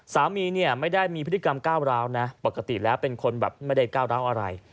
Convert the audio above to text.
สามีเนี่ยไม่ได้มีพฤติกรรมก้าวร้าวนะปกติแล้วเป็นคนแบบไม่ได้ก้าวร้าวอะไร